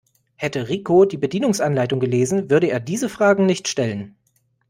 Hätte Rico die Bedienungsanleitung gelesen, würde er diese Fragen nicht stellen.